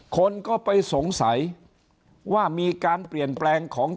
คนก็ไปสงสัยว่ามีการเปลี่ยนแปลงของ